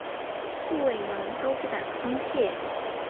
护卫们都不敢松懈。